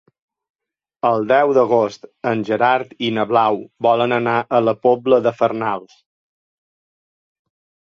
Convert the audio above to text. El deu d'agost en Gerard i na Blau volen anar a la Pobla de Farnals.